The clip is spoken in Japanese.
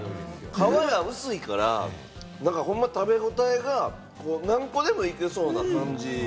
皮が薄いから、食べ応えが、何個でもいけそうな感じ。